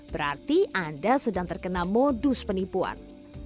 berarti anda sedang terkena modus penipuan